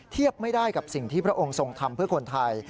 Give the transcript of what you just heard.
เทียบไม่ได้กับสิ่งที่พระองค์ทรงทำเพื่อคนไทย